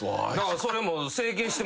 それも。